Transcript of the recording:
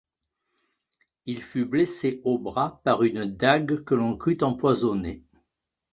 Il fut blessé au bras par une dague que l'on crut empoisonnée.